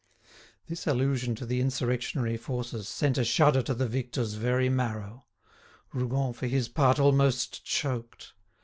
This allusion to the insurrectionary forces sent a shudder to the victors' very marrow; Rougon for his part almost choked.